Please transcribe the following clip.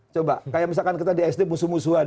coba kayak misalkan kita di sd musuh musuhan